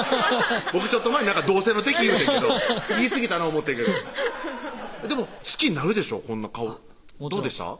僕ちょっと前に「同性の敵」言うてんけど言いすぎたな思ってんけどでも好きになるでしょこんなどうでした？